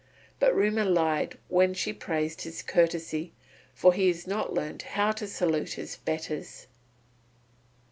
But Rumour lied when she praised his courtesy; for he has not learnt how to salute his betters."